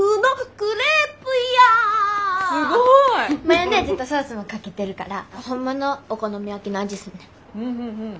マヨネーズとソースもかけてるからほんまのお好み焼きの味すんねん。